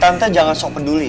tante jangan sok peduli